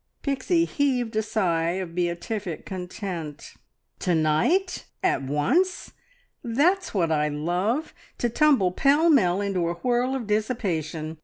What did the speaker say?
Pixie heaved a sigh of beatific content. "To night? At once? That's what I love to tumble pell mell into a whirl of dissipation.